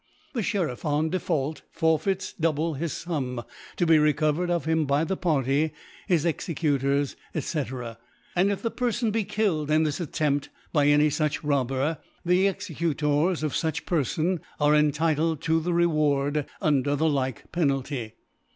The Sheriff on Default for feits double the Sum, to be recovered of .bim by the Party, his'Executors, Csfr. And if. the Perfon be killed in this At * tempt by any fuch Robber, the Executors of fuch Perfon, 6?^. are entitled to the Re ward, under the like Penalty.